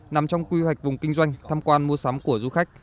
nằm trong quy hoạch vùng kinh doanh tham quan mua sắm của du khách